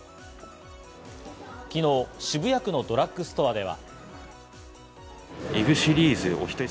昨日、渋谷区のドラッグストアでは。